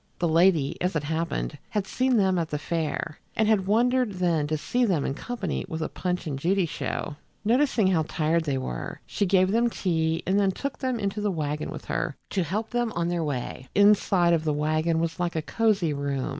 The lady, as it happened, had seen them at the fair, and had wondered then to see them in company with a Punch and Judy show. Noticing how tired they were, she gave them tea and then took them into the wagon with her to help them on their way. The inside of the wagon was like a cozy room.